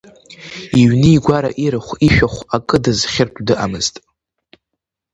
Иҩны-игәара, ирахә-ишәахә акы дазхьыртә дыҟамызт.